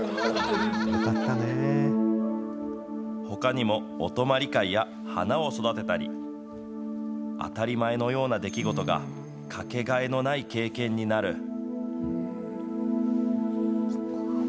ほかにもお泊り会や、花を育てたり、当たり前のような出来事が、掛けがえのない経験になる。